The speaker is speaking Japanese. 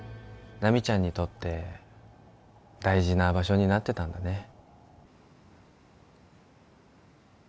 奈未ちゃんにとって大事な場所になってたんだね